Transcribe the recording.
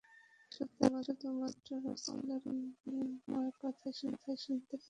তারা শুধু মাত্র রাসূলের কল্যাণময় কথাই শুনতে পেল।